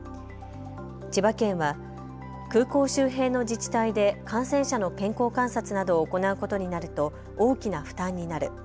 千葉県は空港周辺の自治体で感染者の健康観察などを行うことになると大きな負担になる。